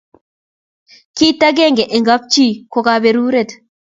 kit akenge eng kap chi ko kaberuret.